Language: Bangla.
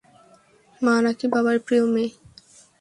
মা নাকি বাবার প্রিয় মেয়ে?